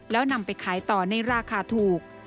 แล้วนำไปขายต่อในราคาถูก